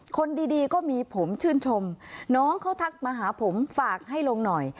คนดีก็มีผมชื่นชมน้องเขาทักมาหาผมฝากให้ลงหน่อย